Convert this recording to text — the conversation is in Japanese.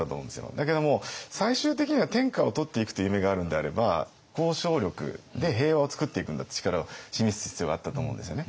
だけども最終的には天下を取っていくという夢があるんであれば交渉力で平和をつくっていくんだって力を示す必要があったと思うんですよね。